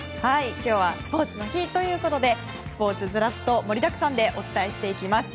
今日はスポーツの日ということでスポーツ、ずらっと盛りだくさんお伝えしていきます。